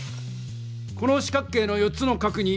この四角形の４つの角に。